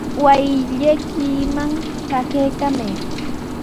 Wasillaykiman pakaykallamay.